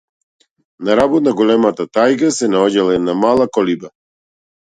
На работ на големата тајга се наоѓала една мала колиба.